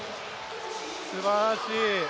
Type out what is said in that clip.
すばらしい。